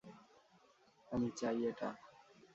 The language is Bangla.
আমি চাই এটা।